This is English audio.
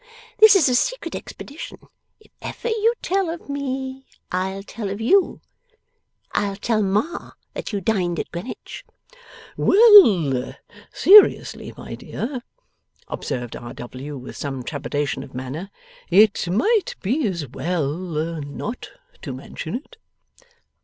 This is a secret expedition. If ever you tell of me, I'll tell of you. I'll tell Ma that you dined at Greenwich.' 'Well; seriously, my dear,' observed R. W., with some trepidation of manner, 'it might be as well not to mention it.